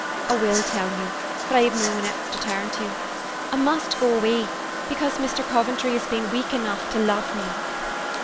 "I will tell you, for I have no one else to turn to. I must go away because Mr. Coventry has been weak enough to love me."